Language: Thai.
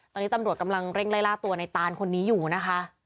ตอนนี้ตำรวจกำลังเร่งไล่ล่าตัวในตานคนนี้อยู่นะคะ